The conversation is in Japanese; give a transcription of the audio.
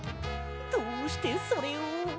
どうしてそれを？